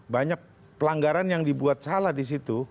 banyak pelanggaran yang dibuat salah di situ